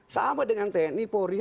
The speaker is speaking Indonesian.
sama dengan tni polri